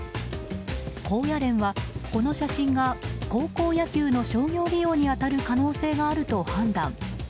高野連は、この写真が高校野球の商業利用に当たる可能性があると判断。